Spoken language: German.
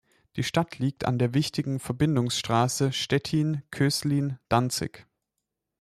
Die Stadt liegt an der wichtigen Verbindungsstraße Stettin-Köslin-Danzig.